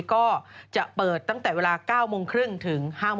ก็จะเปิดตั้งแต่เวลา๙๓๐ถึง๓๓๐